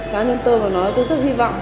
cá nhân tôi mà nói tôi rất hy vọng